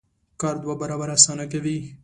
کار دوه برابره اسانه کوي.